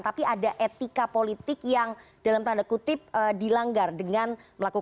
tapi ada etika politik yang dalam tanda kutip dilanggar dengan melakukan